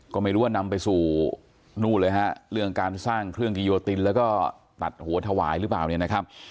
ก็ไม่รู้ว่านำไปสู่นู่นเลยฮะเรื่องการสร้างเครื่องกิโยตินแล้วก็ตัดหัวถวายหรือเปล่าเนี่ยนะครับ